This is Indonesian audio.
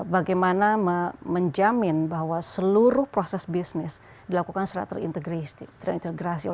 bagaimana menjamin bahwa seluruh proses bisnis dilakukan secara terintegrasi